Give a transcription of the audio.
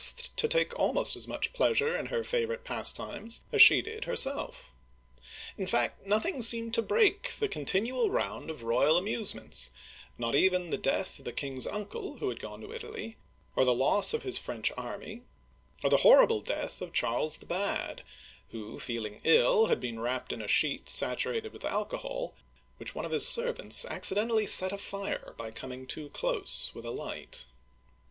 to take almost as much pleasure in her fa vorite pastimes as she did herself. In fact, nothing seemed to break the continual round of royal amusements, not even the death of the king's uncle who had gone to Italy, or the loss of his French army, or the horrible death of Charles the Bad, who, feeling ill, had been wrapped in a sheet saturated with alcohol, which one of his servants accidentally set afire by coming too close with a Hght.